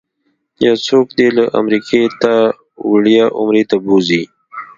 یو څوک دې له امریکې تا وړیا عمرې ته بوځي.